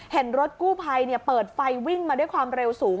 เห็นรถกู้ภัยเปิดไฟวิ่งมาด้วยความเร็วสูง